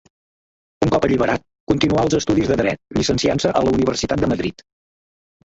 Un cop alliberat, continuà els estudis de dret, llicenciant-se en la Universitat de Madrid.